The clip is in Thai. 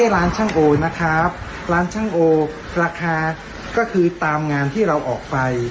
รัคละหาก็คือตามงานที่เราออกไป